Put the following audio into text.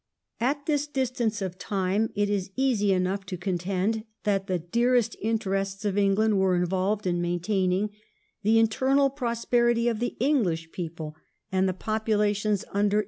At this distance of time it is easy enough to contend that the dearest interests of England were involved in maintaining the internal prosperity of the English people and the populations under 1711 LORD NOTTINGHAM'S AMENDMENT.